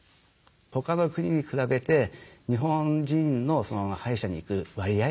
他の国に比べて日本人の歯医者に行く割合